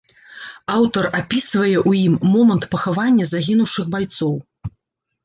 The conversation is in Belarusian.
Аўтар апісвае ў ім момант пахавання загінуўшых байцоў.